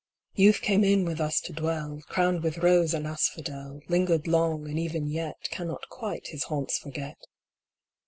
Youth came in with us to dwell. Crowned with rose and asphodel. Lingered long, and even yet Cannot quite his haunts forget.